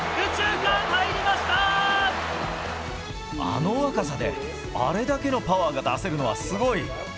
あの若さで、あれだけのパワーが出せるのはすごい。